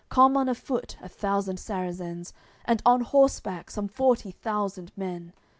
Come on afoot a thousand Sarrazens, And on horseback some forty thousand men.